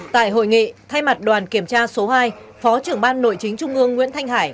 tại hội nghị thay mặt đoàn kiểm tra số hai phó trưởng ban nội chính trung ương nguyễn thanh hải